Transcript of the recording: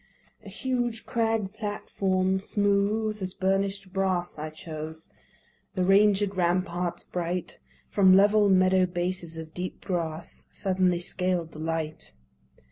A huge crag platform, smooth as burnish'd brass, I chose. The ranged ramparts bright From level meadow bases of deep grass Suddenly scaled the light.